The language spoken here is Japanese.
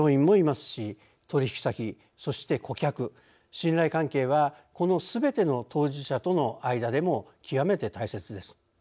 信頼関係はこの全ての当事者との間でも極めて大切です。